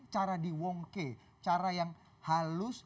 cara diwongke cara yang halus